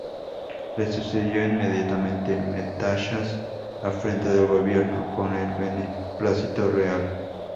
Le sucedió inmediatamente Metaxas al frente del gobierno, con el beneplácito real.